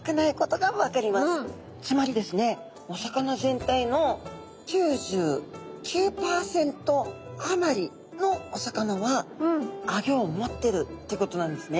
つまりですねお魚全体の９９％あまりのお魚はアギョを持ってるってことなんですね。